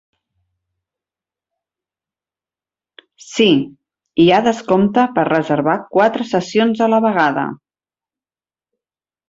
Sí, hi ha descompte per reservar quatre sessions a la vegada.